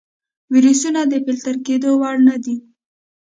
ویروسونه د فلتر کېدو وړ نه دي.